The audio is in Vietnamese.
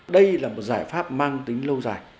đây là một giải pháp mang tính lâu dài